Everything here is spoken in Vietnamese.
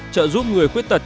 trợ giúp người khuyết tật